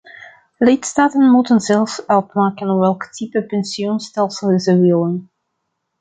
Lidstaten moeten zelf uitmaken welk type pensioenstelsel ze willen.